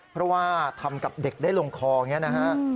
เพราะว่าทำกับเด็กได้ลงคออย่างนี้นะฮะ